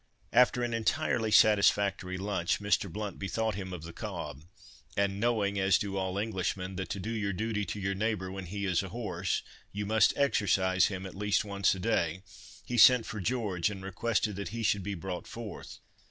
After an entirely satisfactory lunch, Mr. Blount bethought him of the cob—and knowing, as do all Englishmen, that to do your duty to your neighbour when he is a horse, you must exercise him at least once a day, he sent for George, and requested that he should be brought forth.